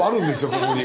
ここに。